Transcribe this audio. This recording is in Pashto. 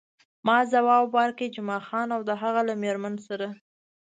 ما ځواب ورکړ، جمعه خان او د هغه له میرمنې سره.